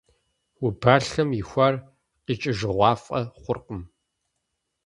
Убалъэм ихуар къикӀыжыгъуафӀэ хъуркъым.